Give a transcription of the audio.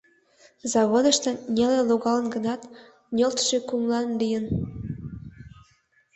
Заводышто неле логалын гынат, нӧлтшӧ кумылан лийын.